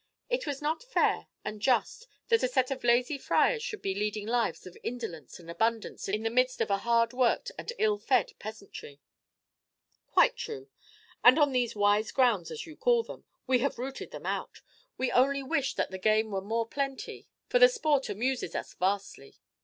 It was not fair and just that a set of lazy friars should be leading lives of indolence and abundance in the midst of a hard worked and ill fed peasantry." "Quite true; and on these wise grounds, as you call them, we have rooted them out. We only wish that the game were more plenty, for the sport amuses us vastly."